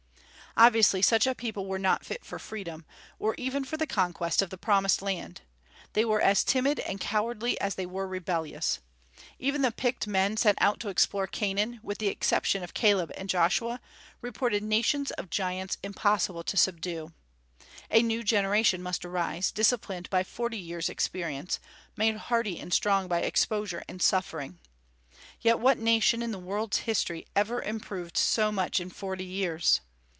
Obviously such a people were not fit for freedom, or even for the conquest of the promised land. They were as timid and cowardly as they were rebellious. Even the picked men sent out to explore Canaan, with the exception of Caleb and Joshua, reported nations of giants impossible to subdue. A new generation must arise, disciplined by forty years' experience, made hardy and strong by exposure and suffering. Yet what nation, in the world's history, ever improved so much in forty years?